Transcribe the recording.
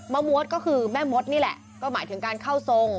มวดก็คือแม่มดนี่แหละก็หมายถึงการเข้าทรง